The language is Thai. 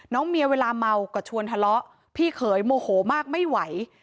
เมียเวลาเมาก็ชวนทะเลาะพี่เขยโมโหมากไม่ไหว